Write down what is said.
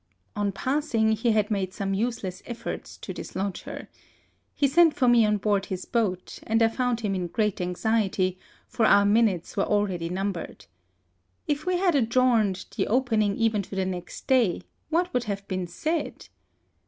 On passing he had made some useless efforts to dislodge her. He sent for me on board his boat, and I found him in great anxiety, for our minutes were already num bered. If we had adjourned the opening even to the next day, w^hat would have been said